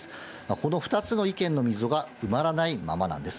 この２つの意見の溝が埋まらないままなんです。